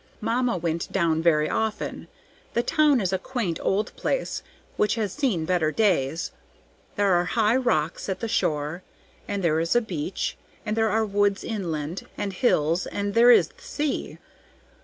Mamma went down very often. The town is a quaint old place which has seen better days. There are high rocks at the shore, and there is a beach, and there are woods inland, and hills, and there is the sea.